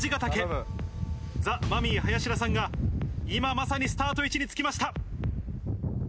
「ザ・マミィ」林田さんが今まさにスタート位置につきました。